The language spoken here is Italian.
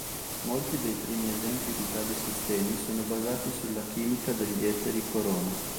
Molti dei primi esempi di tali sistemi sono basati sulla chimica degli eteri corona.